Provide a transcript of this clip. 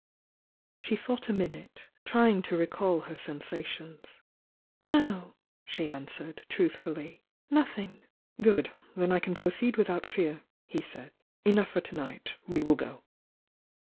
She thought a minute, trying to recall her sen sations. "No," she answered, truthfully, "nothing." "Good! "Then I can proceed without fear," he said. "Enough for to night — we will go."